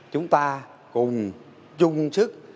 chúng ta cùng chung sức